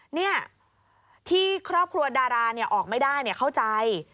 เนี่ยที่ครอบครัวดาราเนี่ยออกไม่ได้เนี่ยเข้าใจ